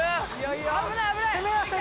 危ない危ない！